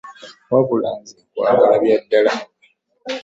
Wabula nze nkwagala bya ddala.